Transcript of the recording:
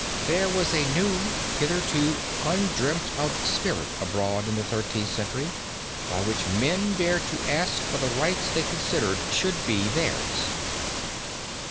There was a new hitherto undreamt of spirit abroad in the Thirteenth Century, by which men dared to ask for the rights they considered should be theirs.